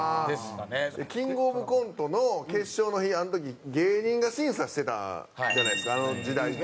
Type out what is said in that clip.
キングオブコントの決勝の日あの時芸人が審査してたじゃないですかあの時代って。